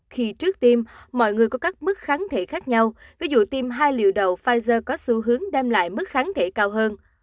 khi trước tiêm mọi người có các mức kháng thể khác nhau ví dụ tiêm hai liệu đầu pfizer có xu hướng đem lại mức kháng thể cao hơn